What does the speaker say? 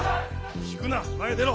引くな前へ出ろ！